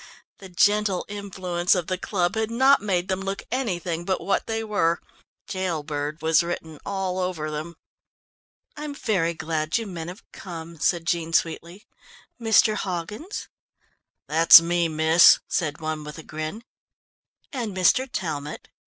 The gentle influence of the club had not made them look anything but what they were. "Jail bird" was written all over them. "I'm very glad you men have come," said Jean sweetly. "Mr. Hoggins " "That's me, miss," said one, with a grin. "And Mr. Talmot."